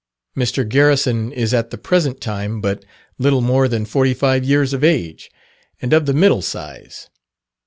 Mr. Garrison is at the present time but little more than forty five years of age, and of the middle size.